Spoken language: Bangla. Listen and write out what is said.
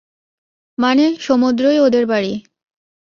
মানে, সমুদ্রই ওদের বাড়ি।